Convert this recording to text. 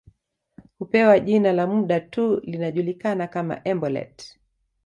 Hupewa jina la muda tu linajulikana kama embolet